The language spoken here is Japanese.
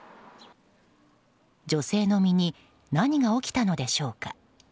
女性の身に何が起きたのでしょうか。